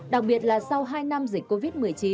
đặc biệt là sau hai năm dịch covid một mươi chín